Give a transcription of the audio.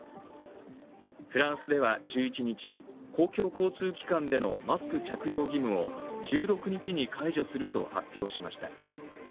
フランスでは１１日、公共交通機関でのマスク着用義務を１６日に解除すると発表しました。